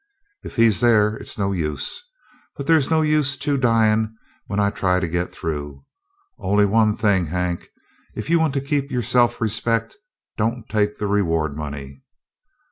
"If he's there, it's no use. But there's no use two dyin' when I try to get through. Only one thing, Hank; if you want to keep your self respect don't take the reward money."